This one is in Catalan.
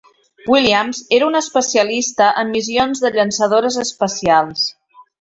Williams era un especialista en missions de llançadores espacials.